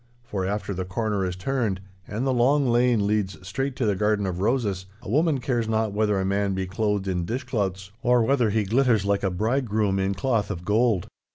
For after the corner is turned and the long lane leads straight to the garden of roses, a woman cares not whether a man be clothed in dishclouts or whether he glitters like a bridegroom in cloth of gold.